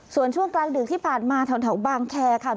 ส่วนช่วงกลางดึกที่ผ่านมาแถวบางแคร์ค่ะ